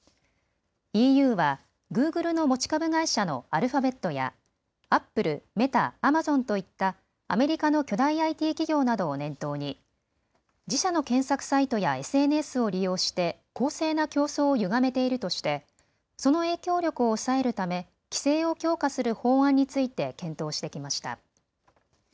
ＥＵはグーグルの持ち株会社のアルファベットやアップル、メタ、アマゾンといったアメリカの巨大ＩＴ企業などを念頭に自社の検索サイトやＳＮＳを利用して公正な競争をゆがめているとしてその影響力を抑えるため規制を強化する法案について検討してきました。